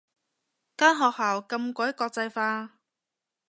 間學校咁鬼國際化